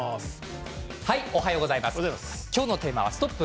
今日のテーマはストップ！